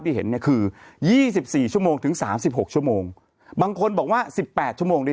ที่เห็นคือ๒๔ชั่วโมงถึง๓๖ชั่วโมงบางคนบอกว่า๑๘ชั่วโมงได้